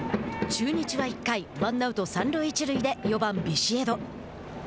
中日は１回、ワンアウト三塁一塁で４番ビシエド。